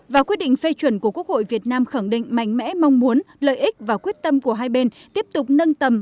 và quyết định phê chuẩn của quốc hội việt nam khẳng định mạnh mẽ mong muốn lợi ích và quyết tâm của hai bên tiếp tục nâng tầm